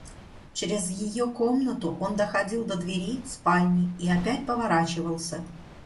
Чрез ее комнату он доходил до двери спальни и опять поворачивался.